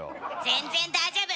全然大丈夫！